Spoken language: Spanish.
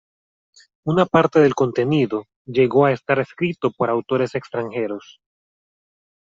Una parte del contenido llegó a estar escrito por autores extranjeros.